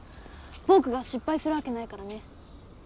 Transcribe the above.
ぼくが失敗するわけないからね。